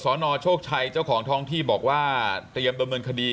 นโชคชัยเจ้าของท้องที่บอกว่าเตรียมดำเนินคดี